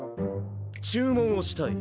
注文をしたい。